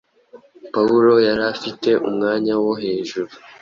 Pawulo yari afite umwanya wo hejuru